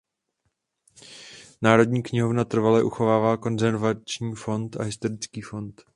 Národní knihovna trvale uchovává konzervační fond a historický fond.